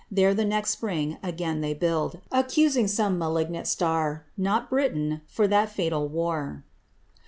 There the next spring again they build, Accusing some malignant star, Not Britain, for that fatal war.